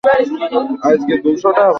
তা আমি কালই শােধ করিয়া দিব!